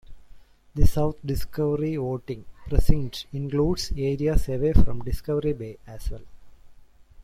The South Discovery voting precinct includes areas away from Discovery Bay, as well.